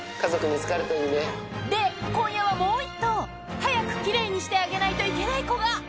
で、今夜はもう１頭。早くきれいにしてあげないといけない子が。